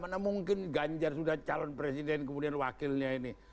karena mungkin ganjar sudah calon presiden kemudian wakilnya ini